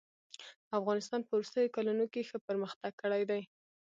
افغانستان په وروستيو کلونو کښي ښه پرمختګ کړی دئ.